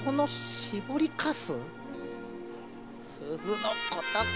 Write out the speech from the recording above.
すずのことか！？